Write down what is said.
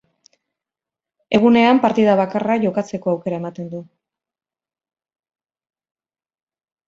Egunean partida bakarra jokatzeko aukera ematen du.